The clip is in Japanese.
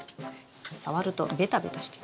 触るとベタベタしてます。